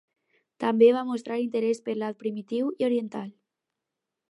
També va mostrar interès per l'art primitiu i oriental.